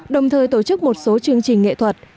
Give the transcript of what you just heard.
đồng thời tổ chức một số chương trình nghệ thuật